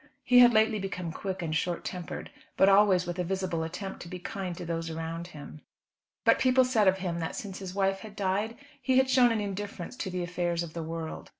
He had lately become quick and short tempered, but always with a visible attempt to be kind to those around him. But people said of him that since his wife had died he had shown an indifference to the affairs of the world.